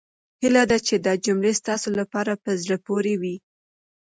هيله ده چې دا جملې ستاسو لپاره په زړه پورې وي.